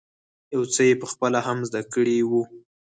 يو څه یې په خپله هم زده کړی وو.